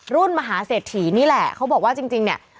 รุ่นมหาเสถีนี่แหละเขาบอกว่าจริงเนี่ย